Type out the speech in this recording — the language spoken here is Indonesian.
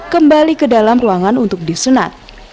kembali ke dalam ruangan untuk disenat